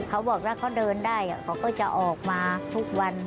เขาบอกถ้าเขาเดินได้เขาก็จะออกมาทุกวัน